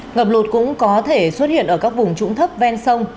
ngập lụt cũng có thể xuất hiện ở các vùng trũng thấp ven sông